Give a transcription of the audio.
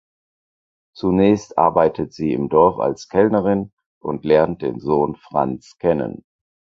Zunächst arbeitet sie im Dorf als Kellnerin und lernt den Sohn Franz kennen.